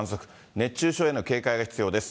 熱中症への警戒が必要です。